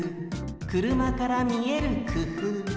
くるまからみえるくふう。